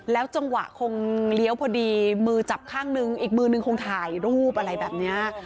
จังหวะคงเลี้ยวพอดีมือจับข้างนึงอีกมือนึงคงถ่ายรูปอะไรแบบเนี้ย